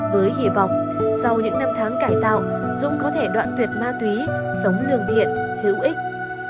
với hy vọng sau những năm tháng cải tạo dung có thể đoạn tuyệt ma túy sống lương thiện hữu ích